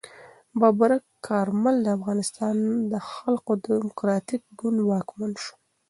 ببرک کارمل د افغانستان د خلق دموکراتیک ګوند واکمن شو.